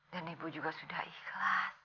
dan ibu juga sudah ikhlas